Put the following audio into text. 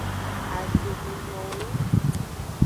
Agbemenyowo yo.